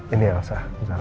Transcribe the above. ini elsa bu zahra